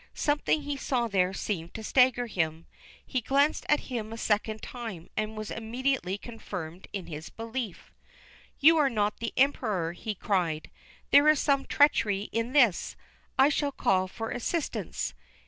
Something he saw there seemed to stagger him. He glanced at him a second time, and was immediately confirmed in his belief. "You are not the Emperor," he cried. "There is some treachery in this. I shall call for assistance."